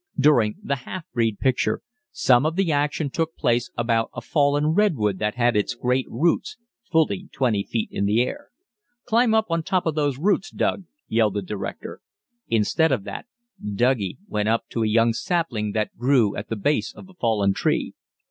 During "The Half Breed" picture, some of the action took place about a fallen redwood that had its great roots fully twenty feet into the air. "Climb up on top of those roots, Doug," yelled the director. Instead of that, "Douggie" went up to a young sapling that grew at the base of the fallen tree.